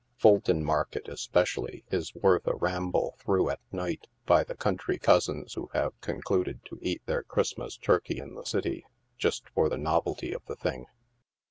Fulton Market, especially, is worth a ramble through at night, by the country cousins who have con cluded to eat their Christmas turkey in the city, just for the novelty of the thing.